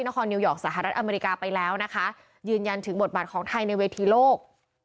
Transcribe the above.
นิวยอร์กสหรัฐอเมริกาไปแล้วนะคะยืนยันถึงบทบาทของไทยในเวทีโลก